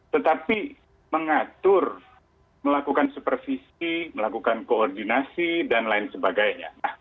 tetapi mengatur melakukan supervisi melakukan koordinasi dan lain sebagainya